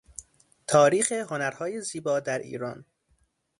تاریخ هنرهای زیبا در ایران